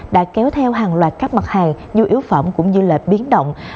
đã kéo theo hàng loạt các mặt hàng nhu yếu phẩm cũng như biến động